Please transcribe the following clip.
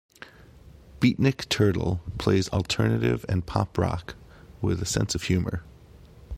Beatnik Turtle plays alternative and pop-rock with a sense of humor.